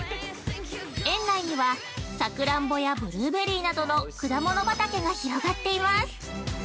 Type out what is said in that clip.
園内には、さくらんぼやブルーベリーなどの果物畑が広がっています。